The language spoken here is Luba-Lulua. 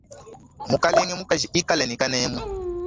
Mukalenge mukaji ikala ne kanemu.